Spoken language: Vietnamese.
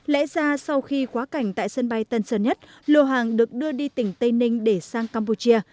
lẽ ra sau khi quá cảnh tại sân bay tân sơn nhất lô hàng được đưa đi tỉnh tây ninh để sang campuchia